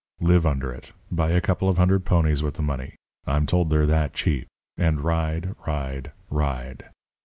Live under it. Buy a couple of hundred ponies with the money I'm told they're that cheap and ride, ride, ride.